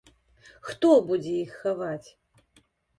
Хто будзе іх хаваць?